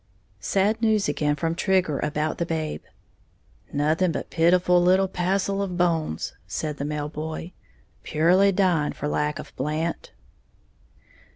_ Sad news again from Trigger about the babe. "Nothing but a pitiful little passel of bones," said the mail boy; "purely dying for lack of Blant."